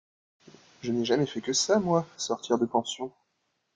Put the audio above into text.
Je n’ai jamais fait que ça, moi, sortir de pension.